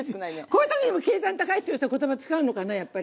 こういう時にも計算高いって言葉使うのかなやっぱり。